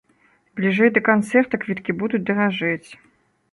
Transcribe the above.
Бліжэй да канцэрта квіткі будуць даражэць.